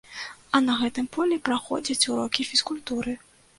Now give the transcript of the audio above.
А на гэтым полі праходзяць урокі фізкультуры.